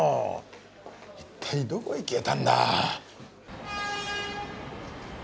一体どこへ消えたんだ？